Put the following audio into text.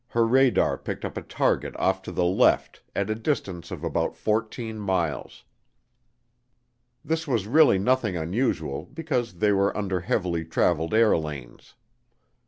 her radar picked up a target off to the left at a distance of about 14 miles. This was really nothing unusual because they were under heavily traveled air lanes.